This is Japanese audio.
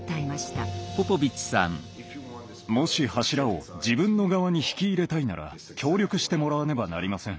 もし柱を自分の側に引き入れたいなら協力してもらわねばなりません。